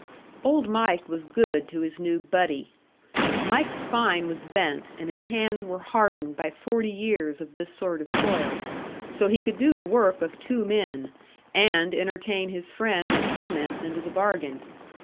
Old Mike was good to his new "buddy." Mike's spine was bent and his hands were hardened by forty years of this sort of toil, so he could do the work of two men, and entertain his friend with comments into the bargain.